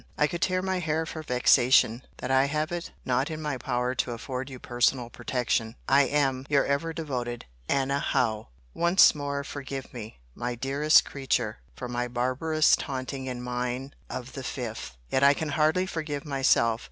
I could tear my hair for vexation, that I have it not in my power to afford you personal protection!—I am Your ever devoted ANNA HOWE. Once more forgive me, my dearest creature, for my barbarous taunting in mine of the 5th! Yet I can hardly forgive myself.